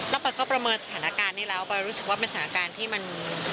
แล้วปอยก็ประเมินสถานการณ์นี้แล้วปอยรู้สึกว่าเป็นสถานการณ์ที่มัน